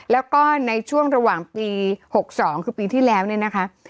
แล้วก็ในช่วงระหว่างปี๖๒คือปีที่แล้วเนี่ยนะคะ